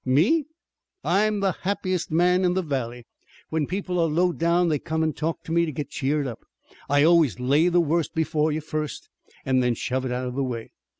"Me? I'm the happiest man in the valley. When people are low down they come an' talk to me to get cheered up. I always lay the worst before you first an' then shove it out of the way.